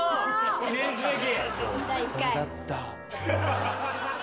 記念すべき。